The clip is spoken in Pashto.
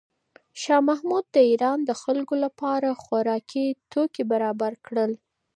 شاه محمود د ایران د خلکو لپاره خوراکي توکي برابر کړل.